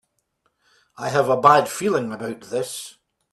I have a bad feeling about this!